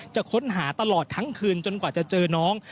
จะค้นหาตลอดทั้งคืนจนกว่าจะเจอน้อง